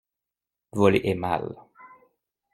Voler est mal.